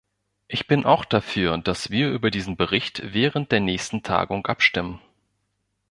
Ich bin auch dafür, dass wir über diesen Bericht während der nächsten Tagung abstimmen.